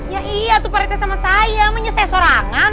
ya iya tuh pak retek sama saya emangnya saya sorangan